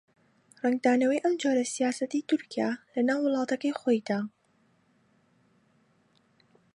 ڕەنگدانەوەی ئەم جۆرە سیاسەتەی تورکیا لەناو وڵاتەکەی خۆیدا